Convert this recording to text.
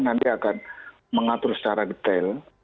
nanti akan mengatur secara detail